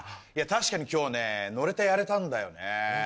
いや確かに今日ね乗れてやれたんだよね。